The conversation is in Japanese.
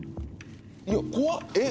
いや怖っ！